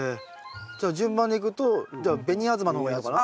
じゃあ順番でいくとじゃあベニアズマの方がいいのかな。